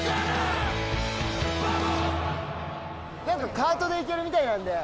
カートで行けるみたいなんで。